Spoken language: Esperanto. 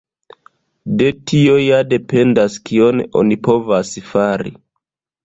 De tio ja dependas kion oni povas fari.